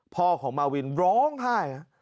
พ่อของมาวินร้องไห้